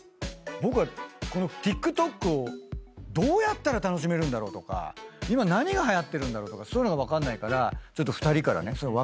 僕はこのＴｉｋＴｏｋをどうやったら楽しめるんだとか今何がはやってるんだろうとかそういうのが分かんないから２人からね若いカルチャー。